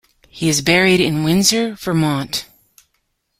He is buried in Windsor, Vermont.